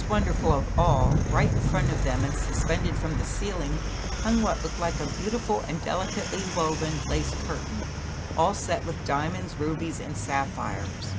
wonderful of all, right in front of them and suspended from the ceiling, hung what looked like a beautiful and delicately woven lace curtain, all set with diamonds, rubies and sapphires.